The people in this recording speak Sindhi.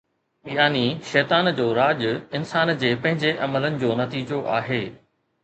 يعني شيطان جو راڄ انسان جي پنهنجي عملن جو نتيجو آهي